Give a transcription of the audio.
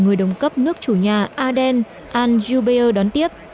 người đồng cấp nước chủ nhà aden al jubeer đón tiếp